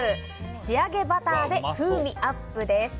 仕上げバターで風味アップです。